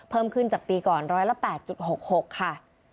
เพิ่มขึ้นจากปีก่อน๑๐๘๖๖ค่ะ